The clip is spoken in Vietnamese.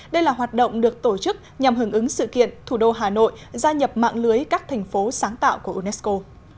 đây là hoạt động được tổ chức nhằm hưởng ứng sự kiện thủ đô hà nội gia nhập mạng lưới các thành phố sáng tạo của unesco